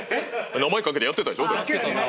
名前懸けてやってたでしょ？だって。